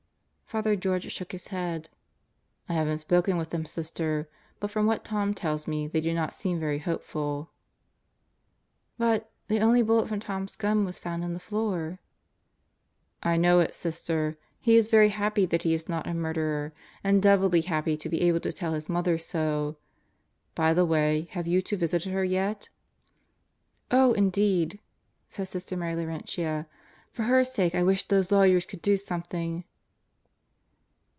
Father George shook his head. "I haven't spoken with them, Sister; but from what Tom tells me, they do not seem very hopeful." "But the only bullet from Tom's gun was found in the floor," "I know it, Sister. He is very happy that he is not a murderer; and doubly happy to be able to tell his mother so. By the way, have you two visited her yet?" "Oh, indeed!" said Sister Mary Laurentia. "For her sake I wish those lawyers could do something.